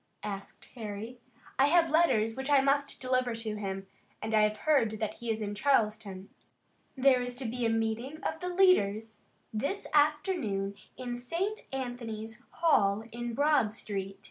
asked Harry. "I have letters which I must deliver to him, and I have heard that he is in Charleston." "There is to be a meeting of the leaders this afternoon in St. Anthony's Hall in Broad street.